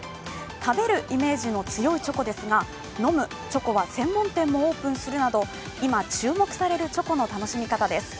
食べるイメージの強いチョコですが、飲むチョコは専門店もオープンするなど今、注目されるチョコの楽しみ方です。